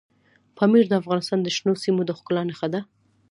پامیر د افغانستان د شنو سیمو د ښکلا نښه ده.